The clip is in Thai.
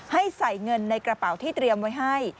ให้ใส่เงินในกระเป๋าที่เตรียมไว้ให้